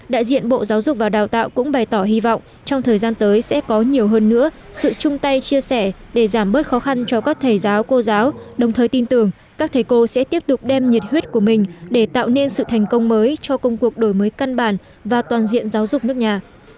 đại diện bộ giáo dục và đào tạo cũng bày tỏ hy vọng trong thời gian tới sẽ có nhiều hơn nữa sự chung tay chia sẻ để giảm bớt khó khăn cho các thầy giáo cô giáo đồng thời tin tưởng các thầy cô sẽ tiếp tục đem nhiệt huyết của mình để tạo nên sự thành công mới cho công cuộc đổi mới căn bản và toàn diện giáo dục nước nhà